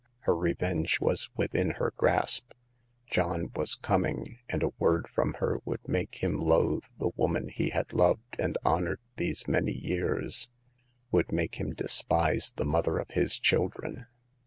Her revenge was within her grasp. John was coming, and a word from her would make him loathe the woman he had loved and honored these many years— would make him despise the mother of his children.